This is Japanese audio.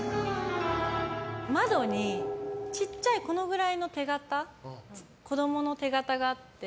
窓に、ちっちゃいこのぐらいの手形子供の手形があって。